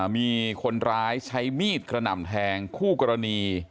มีคนร้ายใช้มีดกระหน่ำแทงคู่กรณี